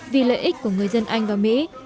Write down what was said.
vì lợi ích của người dân anh và mỹ